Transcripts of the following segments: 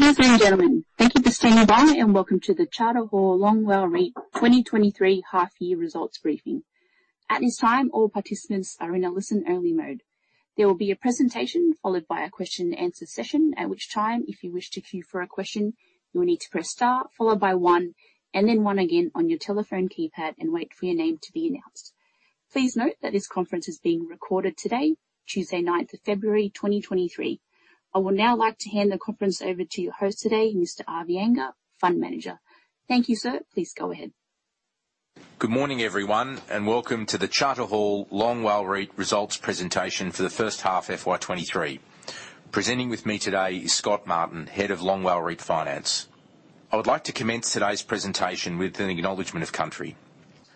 Ladies and gentlemen, thank you for staying by and welcome to the Charter Hall Long WALE REIT 2023 half year results briefing. At this time, all participants are in a listen-only mode. There will be a presentation followed by a question answer session. At which time, if you wish to queue for a question, you will need to press star followed by one and then one again on your telephone keypad and wait for your name to be announced. Please note that this conference is being recorded today, Tuesday, ninth of February, 2023. I will now like to hand the conference over to your host today, Mr. Avi Anger, Fund Manager. Thank you, sir. Please go ahead. Good morning, everyone, and welcome to the Charter Hall Long WALE REIT results presentation for the first half FY 2023. Presenting with me today is Scott Martin, Head of Long WALE REIT Finance. I would like to commence today's presentation with an acknowledgement of country.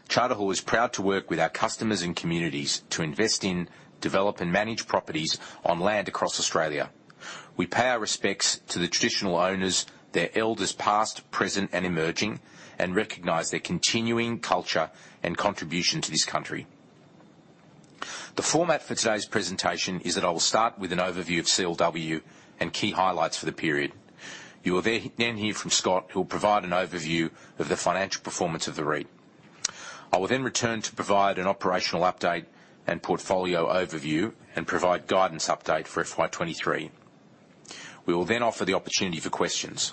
Charter Hall is proud to work with our customers and communities to invest in, develop, and manage properties on land across Australia. We pay our respects to the traditional owners, their elders past, present, and emerging, and recognize their continuing culture and contribution to this country. The format for today's presentation is that I will start with an overview of CLW and key highlights for the period. You will then hear from Scott, who will provide an overview of the financial performance of the REIT. I will then return to provide an operational update and portfolio overview and provide guidance update for FY 2023. We will then offer the opportunity for questions.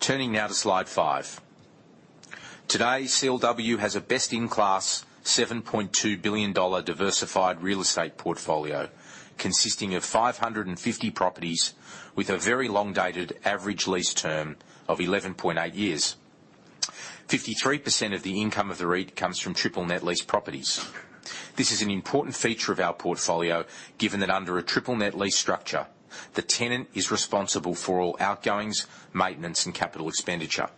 Turning now to slide five. Today, CLW has a best-in-class AUD 7.2 billion diversified real estate portfolio consisting of 550 properties with a very long dated average lease term of 11.8 years. 53% of the income of the REIT comes from triple net lease properties. This is an important feature of our portfolio, given that under a triple net lease structure, the tenant is responsible for all outgoings, maintenance, and capital expenditure.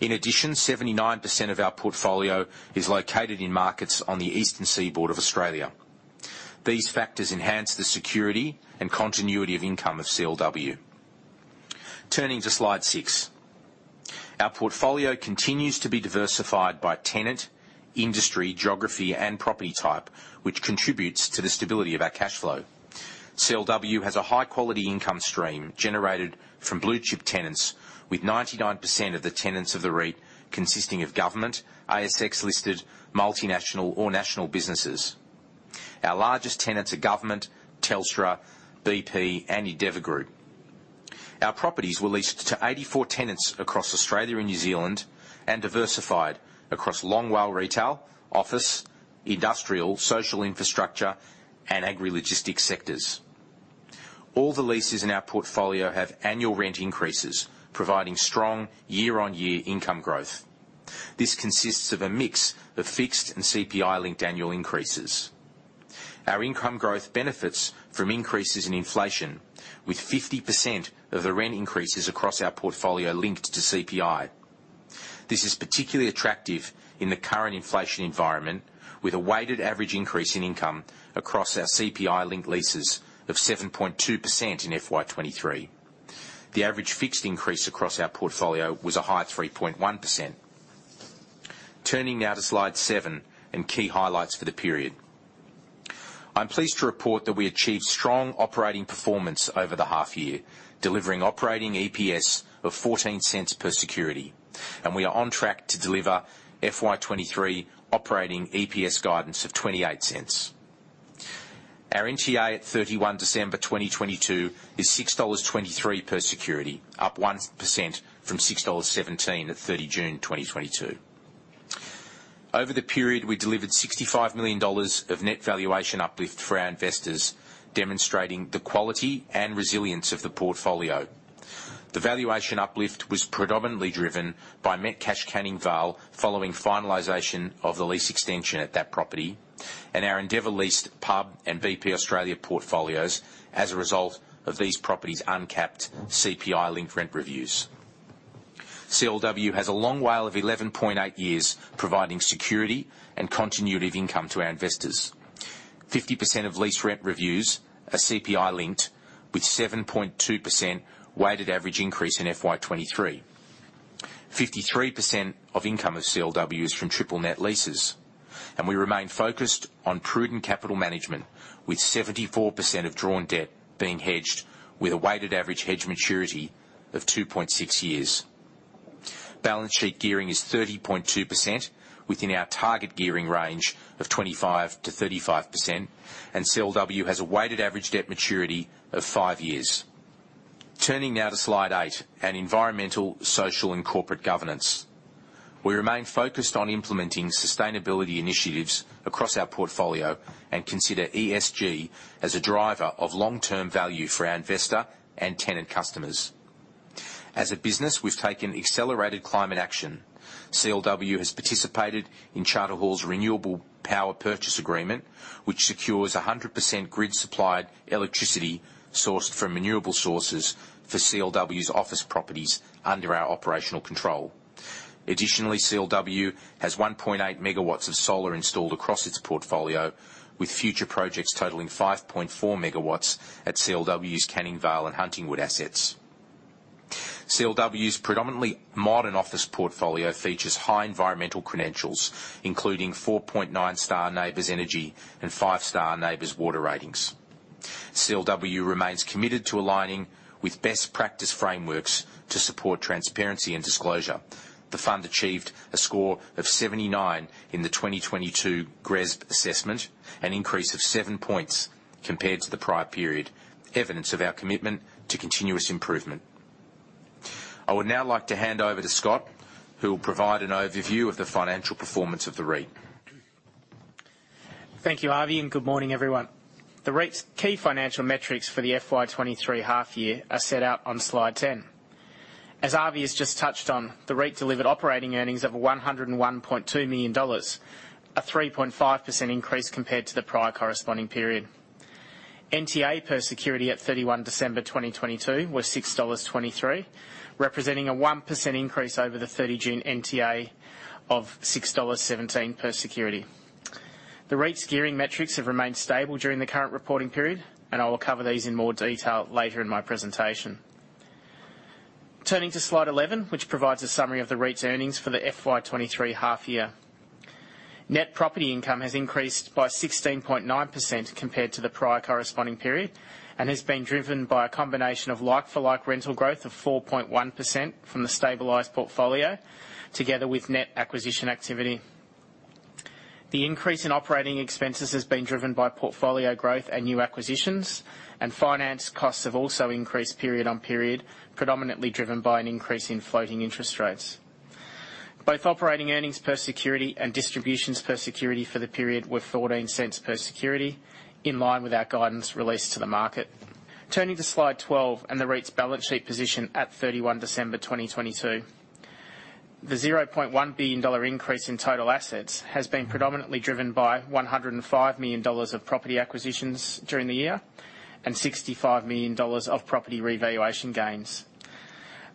In addition, 79% of our portfolio is located in markets on the eastern seaboard of Australia. These factors enhance the security and continuity of income of CLW. Turning to slide six. Our portfolio continues to be diversified by tenant, industry, geography, and property type, which contributes to the stability of our cash flow. CLW has a high-quality income stream generated from blue-chip tenants with 99% of the tenants of the REIT consisting of government, ASX-listed, multinational or national businesses. Our largest tenants are Government, Telstra, bp, and Endeavour Group. Our properties were leased to 84 tenants across Australia and New Zealand and diversified across Long WALE retail, office, industrial, social infrastructure, and agri-logistics sectors. All the leases in our portfolio have annual rent increases, providing strong year-on-year income growth. This consists of a mix of fixed and CPI-linked annual increases. Our income growth benefits from increases in inflation, with 50% of the rent increases across our portfolio linked to CPI. This is particularly attractive in the current inflation environment, with a weighted average increase in income across our CPI-linked leases of 7.2% in FY 2023. The average fixed increase across our portfolio was a high 3.1%. Turning now to slide seven and key highlights for the period. I'm pleased to report that we achieved strong operating performance over the half year, delivering operating EPS of 0.14 per security, and we are on track to deliver FY 2023 operating EPS guidance of 0.28. Our NTA at 31 December 2022 is 6.23 dollars per security, up 1% from 6.17 dollars at 30 June 2022. Over the period, we delivered 65 million dollars of net valuation uplift for our investors, demonstrating the quality and resilience of the portfolio. The valuation uplift was predominantly driven by Metcash Canning Vale following finalization of the lease extension at that property and our Endeavour-leased pub and bp Australia portfolios as a result of these properties' uncapped CPI-linked rent reviews. CLW has a Long WALE of 11.8 years, providing security and continuity of income to our investors. 50% of lease rent reviews are CPI-linked with 7.2% weighted average increase in FY 2023. 53% of income of CLW is from triple net leases, and we remain focused on prudent capital management, with 74% of drawn debt being hedged with a weighted average hedge maturity of 2.6 years. Balance sheet gearing is 30.2% within our target gearing range of 25%-35%, and CLW has a weighted average debt maturity of five years. Turning now to slide eight on environmental, social, and corporate governance. We remain focused on implementing sustainability initiatives across our portfolio and consider ESG as a driver of long-term value for our investor and tenant customers. As a business, we've taken accelerated climate action. CLW has participated in Charter Hall's Renewable Power Purchase Agreement, which secures 100% grid-supplied electricity sourced from renewable sources for CLW's office properties under our operational control. Additionally, CLW has 1.8 MW of solar installed across its portfolio, with future projects totaling 5.4 MW at CLW's Canning Vale and Huntingwood assets. CLW's predominantly modern office portfolio features high environmental credentials, including 4.9-star NABERS energy and five-star NABERS water ratings. CLW remains committed to aligning with best practice frameworks to support transparency and disclosure. The fund achieved a score of 79 in the 2022 GRESB assessment, an increase of seven points compared to the prior period, evidence of our commitment to continuous improvement. I would now like to hand over to Scott, who will provide an overview of the financial performance of the REIT. Thank you, Avi. Good morning, everyone. The REIT's key financial metrics for the FY 2023 half year are set out on slide 10. As Avi has just touched on, the REIT delivered operating earnings of 101.2 million dollars, a 3.5% increase compared to the prior corresponding period. NTA per security at 31 December 2022 was AUD 6.23, representing a 1% increase over the 30 June NTA of AUD 6.17 per security. The REIT's gearing metrics have remained stable during the current reporting period. I will cover these in more detail later in my presentation. Turning to slide 11, which provides a summary of the REIT's earnings for the FY 2023 half year. Net property income has increased by 16.9% compared to the prior corresponding period, and has been driven by a combination of like-for-like rental growth of 4.1% from the stabilized portfolio together with net acquisition activity. The increase in operating expenses has been driven by portfolio growth and new acquisitions, and finance costs have also increased period on period, predominantly driven by an increase in floating interest rates. Both operating earnings per security and distributions per security for the period were 0.14 per security, in line with our guidance released to the market. Turning to slide 12 and the REIT's balance sheet position at 31 December 2022. The 0.1 billion dollar increase in total assets has been predominantly driven by 105 million dollars of property acquisitions during the year and 65 million dollars of property revaluation gains.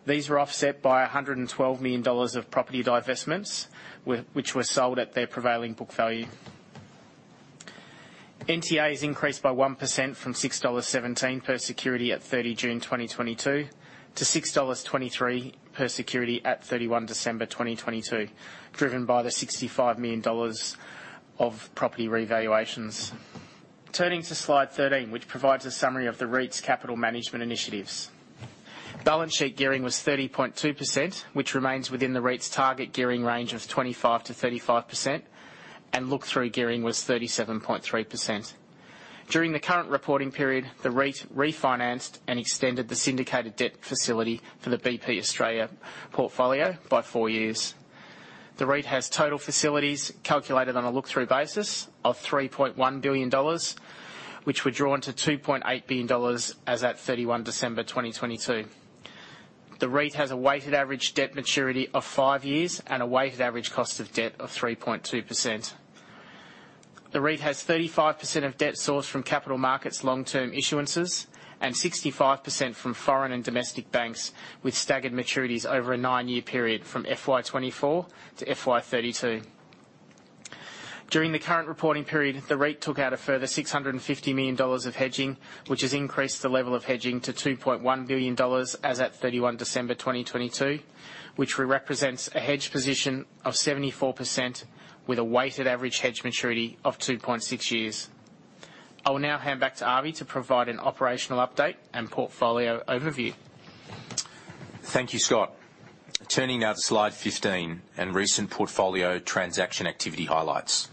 These were offset by 112 million dollars of property divestments which were sold at their prevailing book value. NTA is increased by 1% from 6.17 dollars per security at 30 June 2022 to 6.23 dollars per security at 31 December 2022, driven by the 65 million dollars of property revaluations. Turning to slide 13, which provides a summary of the REIT's capital management initiatives. Balance sheet gearing was 30.2%, which remains within the REIT's target gearing range of 25%-35%, and look-through gearing was 37.3%. During the current reporting period, the REIT refinanced and extended the syndicated debt facility for the bp Australia portfolio by four years. The REIT has total facilities calculated on a look-through basis of 3.1 billion dollars, which were drawn to 2.8 billion dollars as at 31 December 2022. The REIT has a weighted average debt maturity of five years and a weighted average cost of debt of 3.2%. The REIT has 35% of debt sourced from capital markets long-term issuances, and 65% from foreign and domestic banks with staggered maturities over a nine-year period from FY 2024-FY 2032. During the current reporting period, the REIT took out a further 650 million dollars of hedging, which has increased the level of hedging to 2.1 billion dollars as at 31 December 2022, which re-represents a hedge position of 74% with a weighted average hedge maturity of 2.6 years. I will now hand back to Avi to provide an operational update and portfolio overview. Thank you, Scott. Turning now to slide 15 and recent portfolio transaction activity highlights.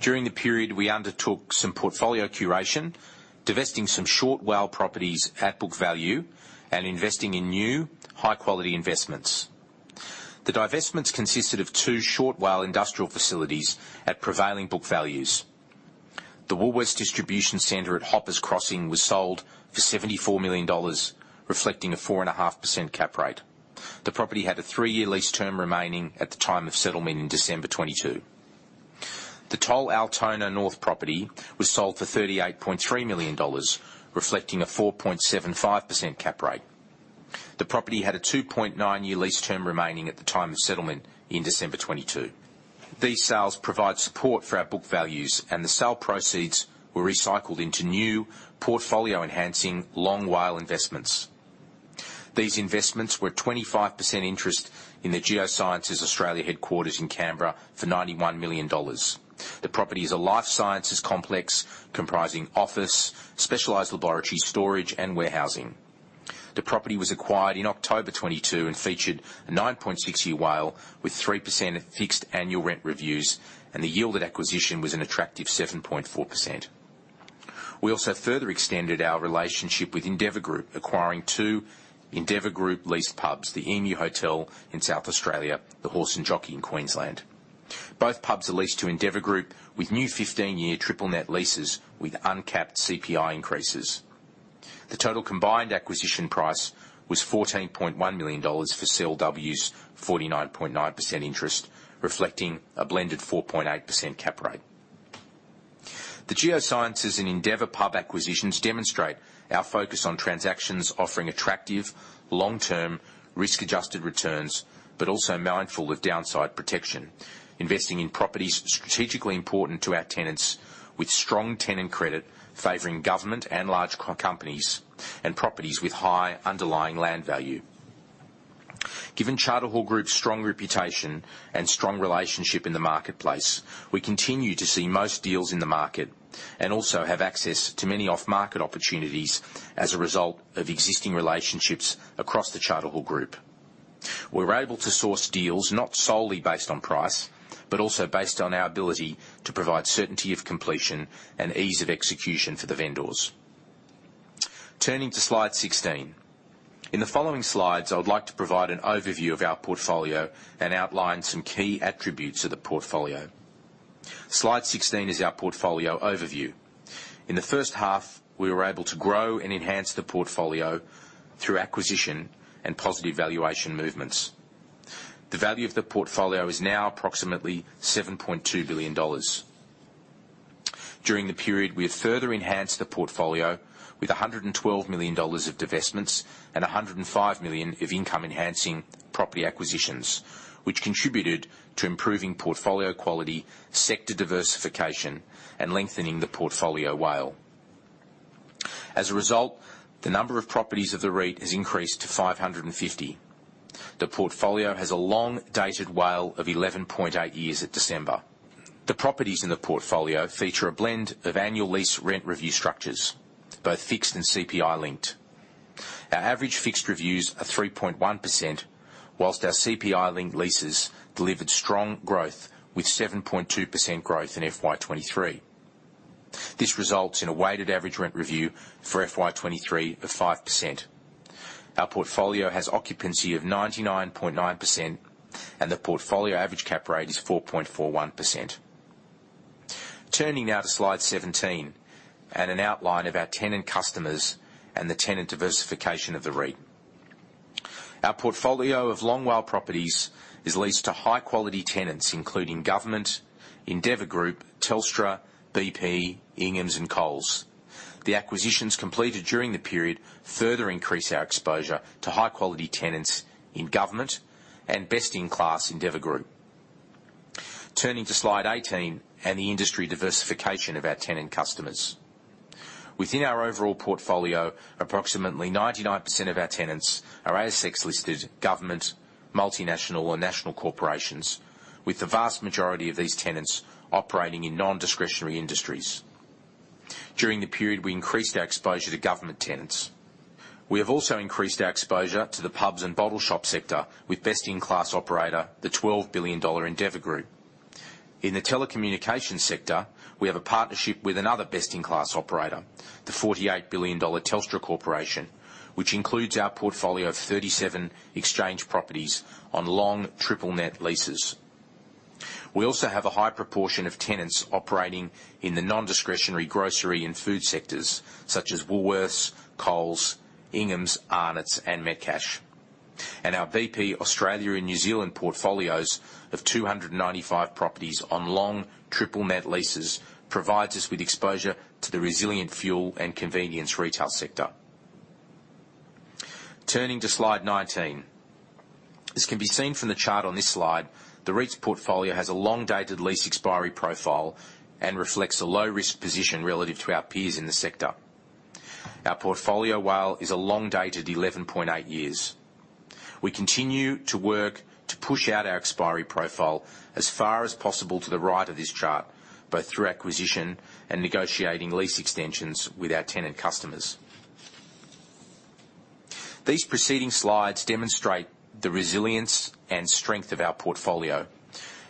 During the period, we undertook some portfolio curation, divesting some short WALE properties at book value and investing in new high-quality investments. The divestments consisted two of short WALE industrial facilities at prevailing book values. The Woolworths distribution center at Hoppers Crossing was sold for AUD 74 million, reflecting a 4.5% cap rate. The property had a three-year lease term remaining at the time of settlement in December 2022. The Toll Altona North property was sold for AUD 38.3 million, reflecting a 4.75% cap rate. The property had a 2.9-year lease term remaining at the time of settlement in December 2022. These sales provide support for our book values, and the sale proceeds were recycled into new portfolio-enhancing Long WALE investments. These investments were a 25% interest in the Geoscience Australia headquarters in Canberra for 91 million dollars. The property is a life sciences complex comprising office, specialized laboratory storage, and warehousing. The property was acquired in October 2022 and featured a 9.6-year WALE with 3% fixed annual rent reviews, and the yield at acquisition was an attractive 7.4%. We also further extended our relationship with Endeavour Group, acquiring two Endeavour Group leased pubs, the Emu Hotel in South Australia, the Horse & Jockey in Queensland. Both pubs are leased to Endeavour Group with new 15-year triple net leases with uncapped CPI increases. The total combined acquisition price was AUD 14.1 million for CLW's 49.9% interest, reflecting a blended 4.8% cap rate. The Geoscience Australia and Endeavour Group pub acquisitions demonstrate our focus on transactions offering attractive long-term, risk-adjusted returns, but also mindful of downside protection, investing in properties strategically important to our tenants with strong tenant credit favoring government and large co-companies and properties with high underlying land value. Given Charter Hall Group's strong reputation and strong relationship in the marketplace, we continue to see most deals in the market and also have access to many off-market opportunities as a result of existing relationships across the Charter Hall Group. We're able to source deals not solely based on price, but also based on our ability to provide certainty of completion and ease of execution for the vendors. Turning to slide 16. In the following slides, I would like to provide an overview of our portfolio and outline some key attributes of the portfolio. Slide 16 is our portfolio overview. In the first half, we were able to grow and enhance the portfolio through acquisition and positive valuation movements. The value of the portfolio is now approximately 7.2 billion dollars. During the period, we have further enhanced the portfolio with 112 million dollars of divestments and 105 million of income-enhancing property acquisitions, which contributed to improving portfolio quality, sector diversification, and lengthening the portfolio WALE. As a result, the number of properties of the REIT has increased to 550. The portfolio has a long-dated WALE of 11.8 years at December. The properties in the portfolio feature a blend of annual lease rent review structures, both fixed and CPI-linked. Our average fixed reviews are 3.1%, whilst our CPI-linked leases delivered strong growth, with 7.2% growth in FY 2023. This results in a weighted average rent review for FY 2023 of 5%. Our portfolio has occupancy of 99.9%, and the portfolio average cap rate is 4.41%. Turning now to slide 17 and an outline of our tenant customers and the tenant diversification of the REIT. Our portfolio of Long WALE properties is leased to high-quality tenants, including government, Endeavour Group, Telstra, bp, Inghams, and Coles. The acquisitions completed during the period further increase our exposure to high-quality tenants in government and best-in-class Endeavour Group. Turning to slide 18 and the industry diversification of our tenant customers. Within our overall portfolio, approximately 99% of our tenants are ASX-listed government, multinational, or national corporations, with the vast majority of these tenants operating in non-discretionary industries. During the period, we increased our exposure to government tenants. We have also increased our exposure to the pubs and bottle shop sector with best-in-class operator, the 12 billion dollar Endeavour Group. In the telecommunications sector, we have a partnership with another best-in-class operator, the 48 billion dollar Telstra Corporation, which includes our portfolio of 37 exchange properties on long triple net leases. We also have a high proportion of tenants operating in the non-discretionary grocery and food sectors, such as Woolworths, Coles, Inghams, Arnott's, and Metcash. Our bp Australia and New Zealand portfolios of 295 properties on long triple net leases provides us with exposure to the resilient fuel and convenience retail sector. Turning to slide 19. As can be seen from the chart on this slide, the REIT's portfolio has a long-dated lease expiry profile and reflects a low-risk position relative to our peers in the sector. Our portfolio WALE is a long-dated 11.8 years. We continue to work to push out our expiry profile as far as possible to the right of this chart, both through acquisition and negotiating lease extensions with our tenant customers. These preceding slides demonstrate the resilience and strength of our portfolio.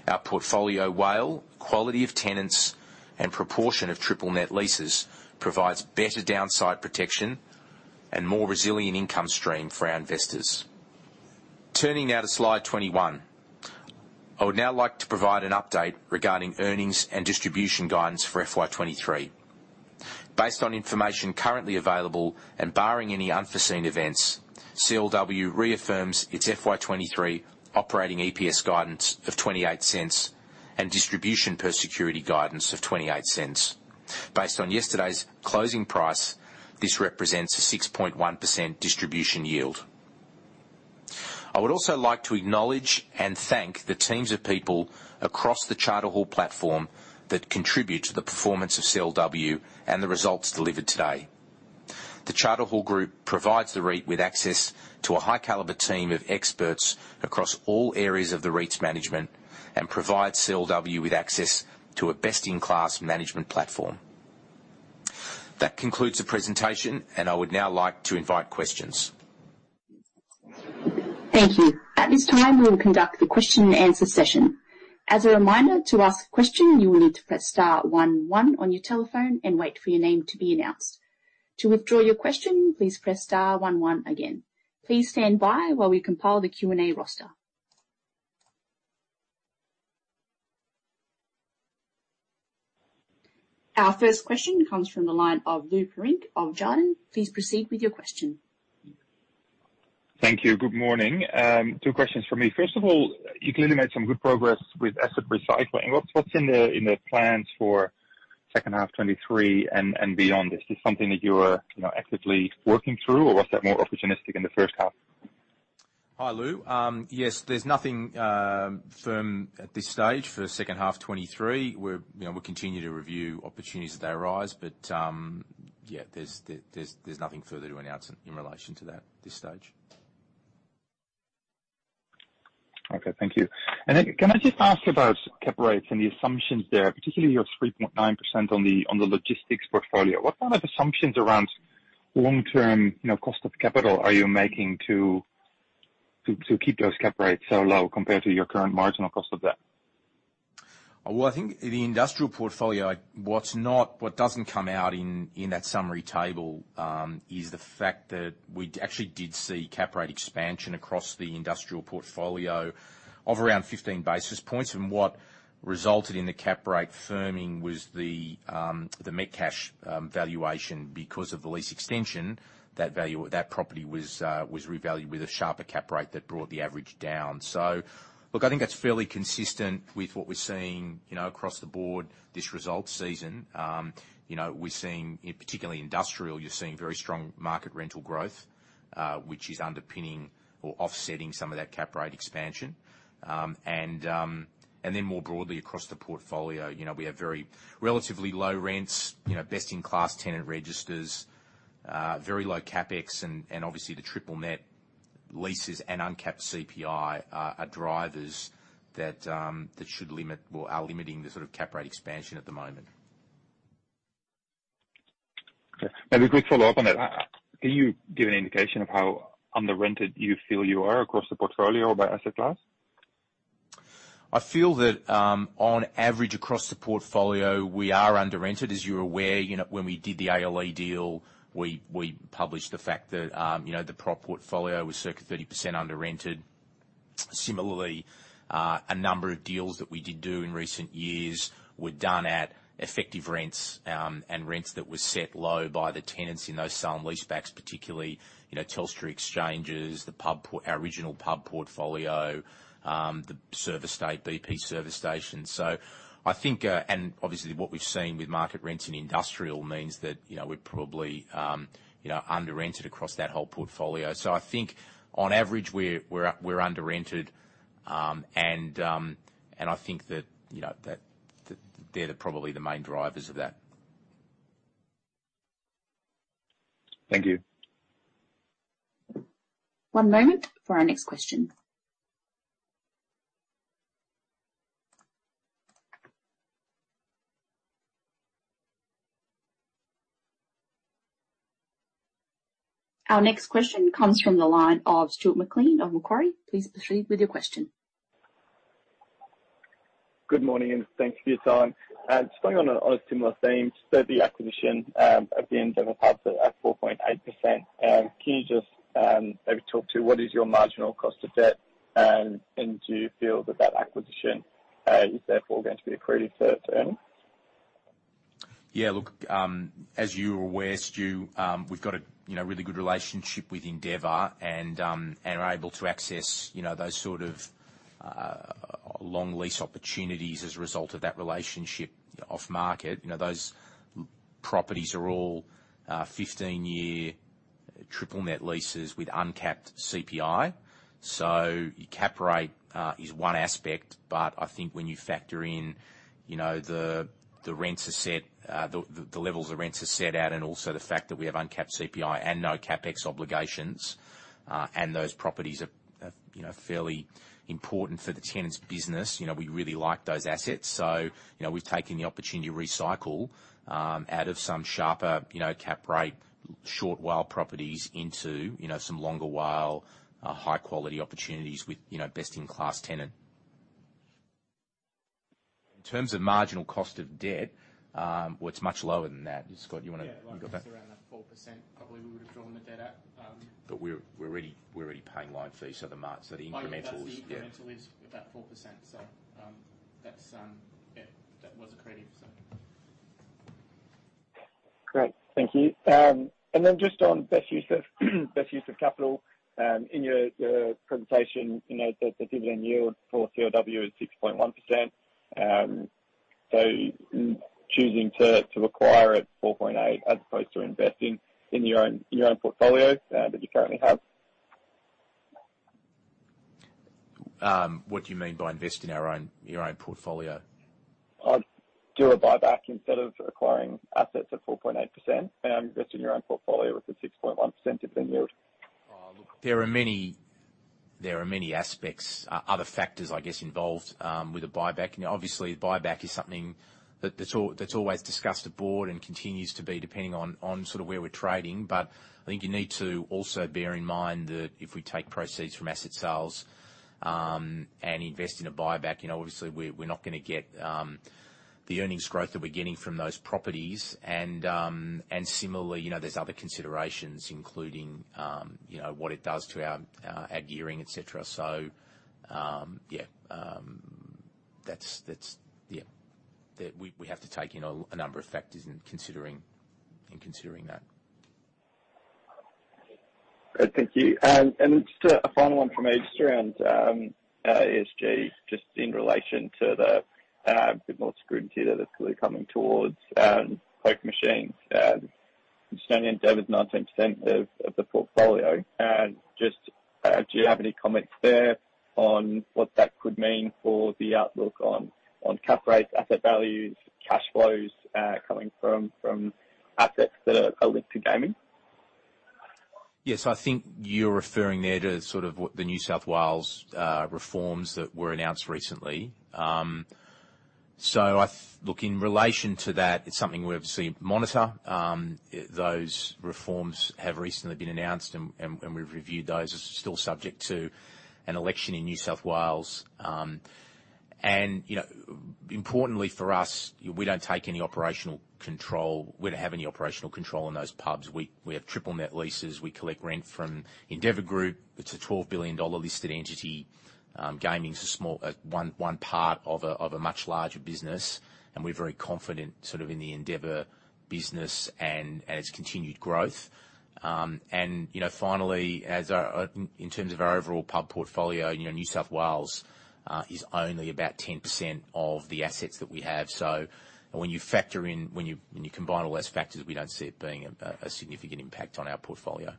Our portfolio WALE, quality of tenants, and proportion of triple-net leases provides better downside protection and more resilient income stream for our investors. Turning now to slide 21. I would now like to provide an update regarding earnings and distribution guidance for FY 2023. Based on information currently available and barring any unforeseen events, CLW reaffirms its FY 2023 operating EPS guidance of 0.28 and distribution per security guidance of 0.28. Based on yesterday's closing price, this represents a 6.1% distribution yield. I would also like to acknowledge and thank the teams of people across the Charter Hall platform that contribute to the performance of CLW and the results delivered today. The Charter Hall Group provides the REIT with access to a high caliber team of experts across all areas of the REIT's management and provides CLW with access to a best-in-class management platform. That concludes the presentation, and I would now like to invite questions. Thank you. At this time, we will conduct the question and answer session. As a reminder, to ask a question, you will need to press star one one on your telephone and wait for your name to be announced. To withdraw your question, please press star one one again. Please stand by while we compile the Q&A roster. Our first question comes from the line of Lou Pirenc of Jarden. Please proceed with your question. Thank you. Good morning. Two questions from me. First of all, you clearly made some good progress with asset recycling. What's in the plans for second half 2023 and beyond this? Is this something that you're, you know, actively working through, or was that more opportunistic in the first half? Hi, Lou. Yes, there's nothing firm at this stage for second half 2023. We're, you know, we'll continue to review opportunities as they arise. Yeah, there's nothing further to announce in relation to that, this stage. Okay, thank you. Then can I just ask about cap rates and the assumptions there, particularly your 3.9% on the logistics portfolio. What kind of assumptions around long-term, you know, cost of capital are you making to keep those cap rates so low compared to your current marginal cost of debt? Well, I think the industrial portfolio, what's not, what doesn't come out in that summary table, is the fact that we actually did see cap rate expansion across the industrial portfolio of around 15 basis points. What resulted in the cap rate firming was the Metcash valuation. Because of the lease extension, that property was revalued with a sharper cap rate that brought the average down. Look, I think that's fairly consistent with what we're seeing, you know, across the board this results season. You know, we're seeing, particularly industrial, you're seeing very strong market rental growth, which is underpinning or offsetting some of that cap rate expansion. More broadly across the portfolio, you know, we have very relatively low rents, you know, best-in-class tenant registers, very low CapEx, and obviously the triple net leases and uncapped CPI drivers that should limit or are limiting the sort of cap rate expansion at the moment. Okay. Maybe a quick follow-up on that. Yeah. Can you give an indication of how under-rented you feel you are across the portfolio by asset class? I feel that on average, across the portfolio, we are under-rented. As you're aware, you know, when we did the ALE deal, we published the fact that, you know, the prop portfolio was circa 30% under-rented. Similarly, a number of deals that we did do in recent years were done at effective rents, and rents that were set low by the tenants in those sell and lease backs, particularly, you know, Telstra exchanges, our original pub portfolio, the service state, bp service stations. I think, and obviously what we've seen with market rents in industrial means that, you know, we're probably, you know, under-rented across that whole portfolio. I think on average, we're under-rented. I think that, you know, that, they're probably the main drivers of that. Thank you. One moment for our next question. Our next question comes from the line of Stuart McLean of Macquarie. Please proceed with your question. Good morning, and thanks for your time. Just following on a similar theme, so the acquisition, at the end of the pub at 4.8%, can you just maybe talk to what is your marginal cost of debt, and do you feel that that acquisition is therefore going to be accretive to earnings? As you're aware, Stu, we've got a, you know, really good relationship with Endeavor and are able to access, you know, those sort of long lease opportunities as a result of that relationship off market. You know, those properties are all 15-year triple net leases with uncapped CPI. Your cap rate is one aspect, but I think when you factor in, you know, the rents are set, the levels of rents are set at and also the fact that we have uncapped CPI and no CapEx obligations, and those properties are, you know, fairly important for the tenant's business, you know, we really like those assets. You know, we've taken the opportunity to recycle, out of some sharper, you know, cap rate short WALE properties into, you know, some longer WALE, high-quality opportunities with, you know, best-in-class tenant. In terms of marginal cost of debt, well, it's much lower than that. Scott, you wanna- Yeah. You got that? Like it's around that 4% probably we would have drawn the debt at. We're already paying loan fees, so the incrementals... Yeah, the incremental is about 4%. That's, yeah, that was accretive, so. Great. Thank you. Then just on best use of capital, in your presentation, you know, the dividend yield for CLW is 6.1%. Choosing to acquire at 4.8% as opposed to investing in your own portfolio that you currently have? What do you mean by invest in our own, your own portfolio? Do a buyback instead of acquiring assets at 4.8% and investing in your own portfolio with the 6.1% dividend yield. Oh, look, there are many aspects, other factors, I guess, involved with a buyback. You know, obviously a buyback is something that's always discussed at board and continues to be, depending on sort of where we're trading. I think you need to also bear in mind that if we take proceeds from asset sales and invest in a buyback, you know, obviously we're not gonna get the earnings growth that we're getting from those properties. Similarly, you know, there's other considerations including, you know, what it does to our gearing, et cetera. Yeah, that's yeah. We have to take a number of factors in considering that. Great. Thank you. Just a final one from me just around ESG, just in relation to the more scrutiny that is clearly coming towards poker machines. Understanding Endeavour's 19% of the portfolio, do you have any comments there on what that could mean for the outlook on cap rates, asset values, cash flows coming from assets that are linked to gaming? Yes. I think you're referring there to sort of what the New South Wales reforms that were announced recently. Look, in relation to that, it's something we obviously monitor. Those reforms have recently been announced and we've reviewed those. It's still subject to an election in New South Wales. You know, importantly for us, we don't take any operational control. We don't have any operational control in those pubs. We have triple net leases. We collect rent from Endeavor Group. It's a 12 billion dollar listed entity. Gaming is a small, one part of a much larger business, and we're very confident sort of in the Endeavor business and its continued growth. You know, finally, as, in terms of our overall pub portfolio, you know, New South Wales is only about 10% of the assets that we have. When you factor in, when you combine all those factors, we don't see it being a significant impact on our portfolio.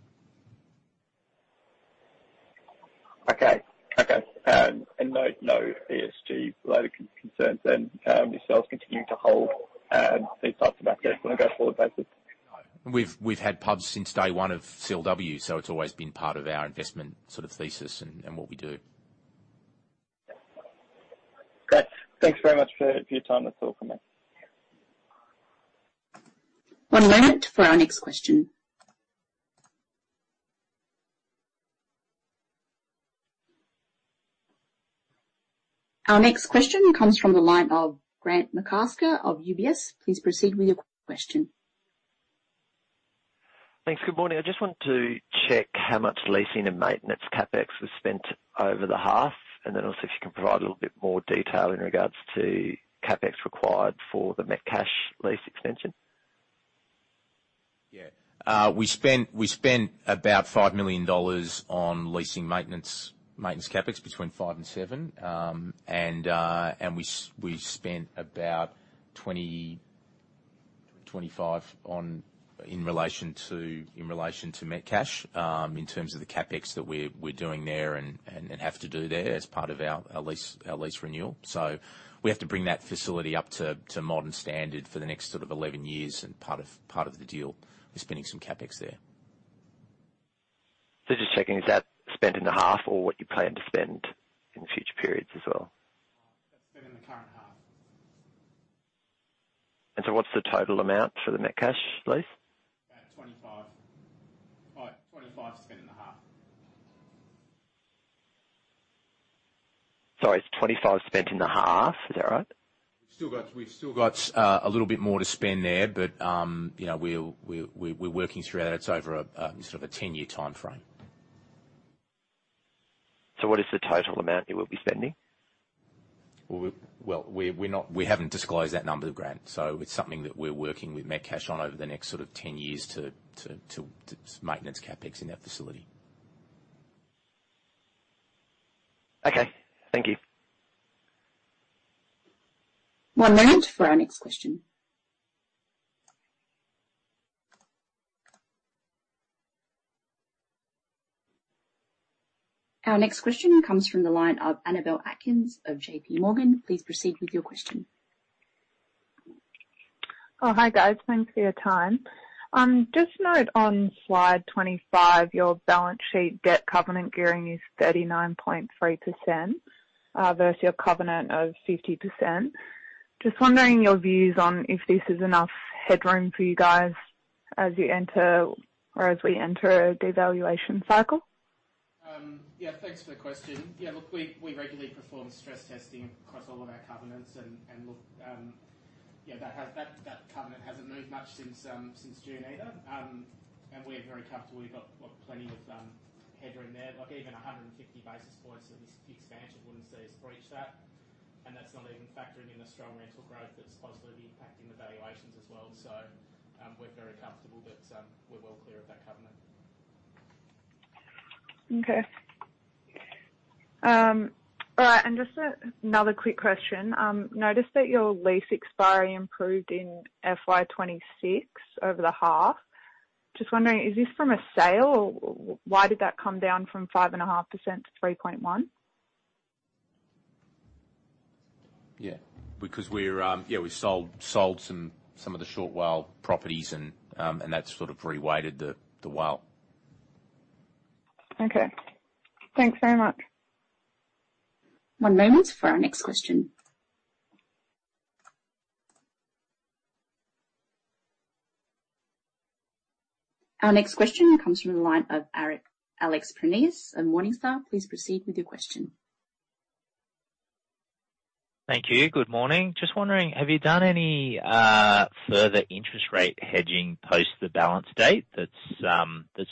No ESG related concerns then, yourselves continuing to hold these types of assets on a go-forward basis? We've had pubs since day one of CLW, so it's always been part of our investment sort of thesis and what we do. Great. Thanks very much for your time. That's all for me. One moment for our next question. Our next question comes from the line of Grant McCasker of UBS. Please proceed with your question. Thanks. Good morning. I just want to check how much leasing and maintenance CapEx was spent over the half, also if you can provide a little bit more detail in regards to CapEx required for the Metcash lease extension. Yeah. We spent about 5 million dollars on leasing maintenance CapEx between 5 million and 7 million. We spent about 25 million on in relation to Metcash in terms of the CapEx that we're doing there and have to do there as part of our lease renewal. We have to bring that facility up to modern standard for the next sort of 11 years and part of the deal. We're spending some CapEx there. Just checking, is that spent in the half or what you plan to spend in the future periods as well? That's been in the current half. What's the total amount for the Metcash lease? About AUD 25. AUD 25 spent in the half. Sorry, it's 25 spent in the half. Is that right? We've still got a little bit more to spend there, but, you know, we're, we're working through that. It's over a sort of a 10-year timeframe. What is the total amount you will be spending? Well, we're not We haven't disclosed that number to Grant. It's something that we're working with Metcash on over the next sort of 10 years to maintenance CapEx in that facility. Okay. Thank you. One moment for our next question. Our next question comes from the line of Annabelle Atkins of JPMorgan. Please proceed with your question. Oh, hi, guys. Thanks for your time. Just note on slide 25, your balance sheet debt covenant gearing is 39.3%, versus your covenant of 50%. Just wondering your views on if this is enough headroom for you guys as you enter or as we enter a devaluation cycle. Yeah, thanks for the question. Yeah, look, we regularly perform stress testing across all of our covenants and look, that covenant hasn't moved much since June either. We're very comfortable. We've got plenty of headroom there. Like even 150 basis points of this expansion wouldn't see us breach that. That's not even factoring in the strong rental growth that's positively impacting the valuations as well. We're very comfortable that we're well clear of that covenant. Just another quick question. Noticed that your lease expiry improved in FY 2026 over the half. Just wondering, is this from a sale or why did that come down from 5.5% to 3.1%? Yeah. We're, yeah, we sold some of the short WALE properties and that sort of reweighted the WALE. Okay. Thanks very much. One moment for our next question. Our next question comes from the line of Alex Prineas of Morningstar. Please proceed with your question. Thank you. Good morning. Just wondering, have you done any further interest rate hedging post the balance date that's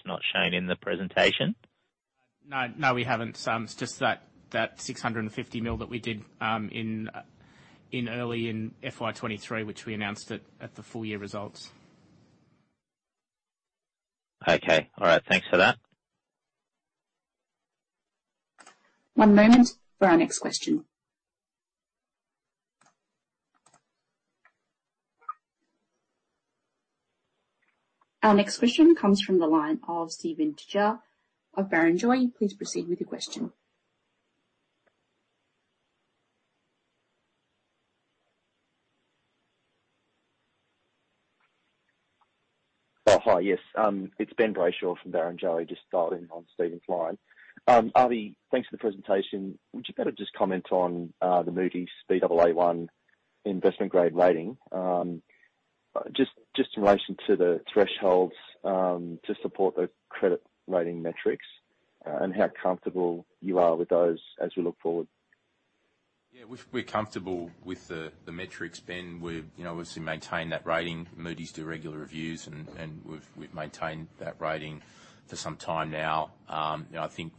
not shown in the presentation? No. No, we haven't. It's just that 650 million that we did, in early in FY 2023, which we announced at the full year results. Okay. All right. Thanks for that. One moment for our next question. Our next question comes from the line of Steven Tjia of Barrenjoey. Please proceed with your question. Hi. Yes, it's Ben Brayshaw from Barrenjoey, just dialed in on Steven's line. Avi, thanks for the presentation. Would you be able to just comment on the Moody's Baa1 investment grade rating, just in relation to the thresholds to support the credit rating metrics, and how comfortable you are with those as we look forward? Yeah, we're comfortable with the metrics, Ben. We've, you know, obviously maintained that rating. Moody's do regular reviews and we've maintained that rating for some time now. I think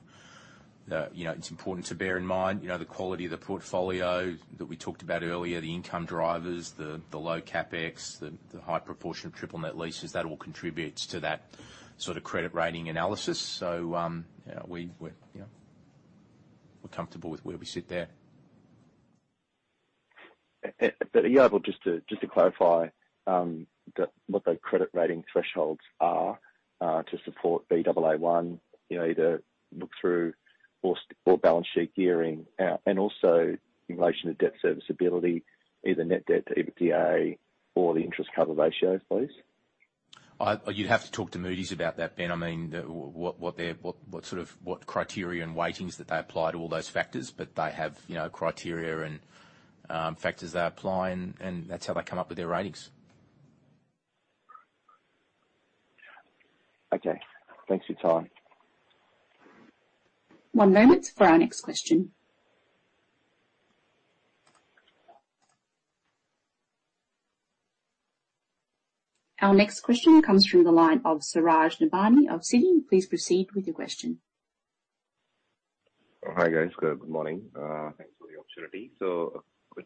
the, you know, it's important to bear in mind, you know, the quality of the portfolio that we talked about earlier, the income drivers, the low CapEx, the high proportion of triple net leases, that all contributes to that sort of credit rating analysis. Yeah, we, you know, we're comfortable with where we sit there. Are you able just to, just to clarify, what the credit rating thresholds are, to support Baa1, you know, either look-through or balance sheet gearing. Also in relation to debt serviceability, either net debt to EBITDA or the interest cover ratios, please. You'd have to talk to Moody's about that, Ben. I mean, what their, what sort of, what criteria and weightings that they apply to all those factors. They have, you know, criteria and factors they apply, and that's how they come up with their ratings. Okay. Thanks for your time. One moment for our next question. Our next question comes through the line of Suraj Nebhani of Citi. Please proceed with your question. Hi, guys. Good morning. Thanks for the opportunity.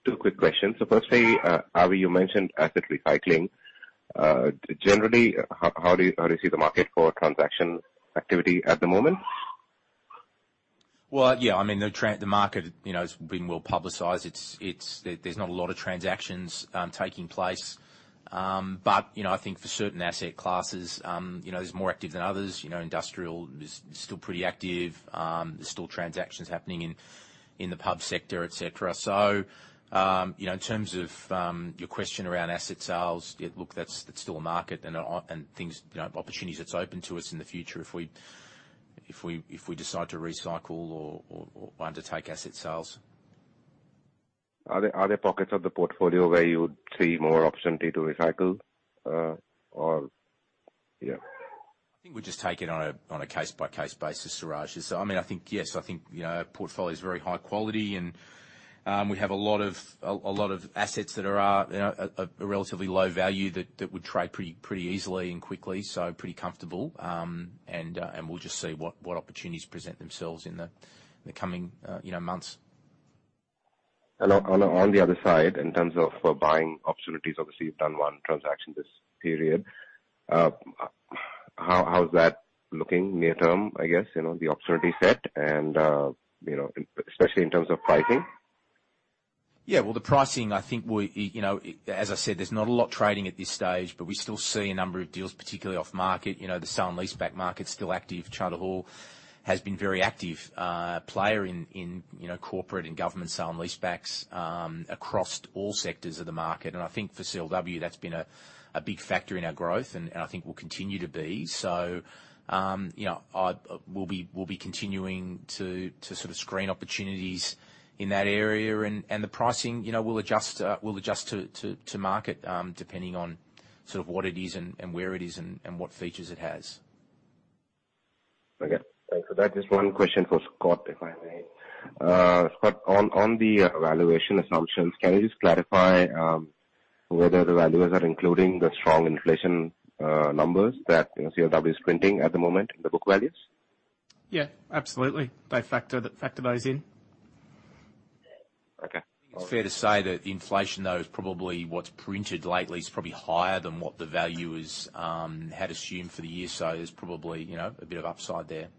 Two quick questions. Firstly, Avi, you mentioned asset recycling. Generally, how do you see the market for transaction activity at the moment? Well, yeah, I mean, the market, you know, it's been well-publicized. It's, there's not a lot of transactions taking place. You know, I think for certain asset classes, you know, there's more active than others. You know, industrial is still pretty active. There's still transactions happening in the pub sector, et cetera. You know, in terms of your question around asset sales, yeah, look, that's still a market and things, you know, opportunities that's open to us in the future if we decide to recycle or undertake asset sales. Are there pockets of the portfolio where you would see more opportunity to recycle, or, yeah. I think we just take it on a case-by-case basis, Suraj. I mean, I think, yes, I think, you know, our portfolio is very high quality and we have a lot of assets that are, you know, at a relatively low value that would trade pretty easily and quickly, so pretty comfortable. We'll just see what opportunities present themselves in the coming, you know, months. On the other side, in terms of buying opportunities, obviously you've done one transaction this period. How is that looking near term, I guess? You know, the opportunity set and, you know, especially in terms of pricing. Well, the pricing I think we, you know. As I said, there's not a lot trading at this stage, but we still see a number of deals, particularly off market. You know, the sale and leaseback market's still active. Charter Hall has been very active player in, you know, corporate and government sale and leasebacks across all sectors of the market. I think for CLW, that's been a big factor in our growth and I think will continue to be. You know, we'll be continuing to sort of screen opportunities in that area. The pricing, you know, we'll adjust, we'll adjust to market, depending on sort of what it is and where it is and what features it has. Okay. Thanks for that. Just one question for Scott, if I may. Scott, on the valuation assumptions, can you just clarify whether the valuers are including the strong inflation numbers that, you know, CLW is printing at the moment in the book values? Yeah, absolutely. They factor those in. Okay. It's fair to say that the inflation, though, is probably what's printed lately is probably higher than what the value is had assumed for the year. There's probably, you know, a bit of upside there.